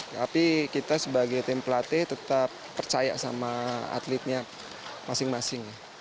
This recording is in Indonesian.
tapi kita sebagai tim pelatih tetap percaya sama atletnya masing masing